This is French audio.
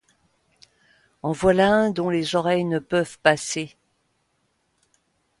En voilà un dont les oreilles ne peuvent passer!